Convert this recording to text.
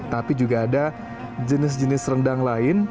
tapi juga ada jenis jenis rendang lain